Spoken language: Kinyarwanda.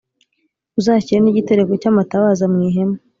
Uzashyire n’ igitereko cy’ amatabaza mw’ ihema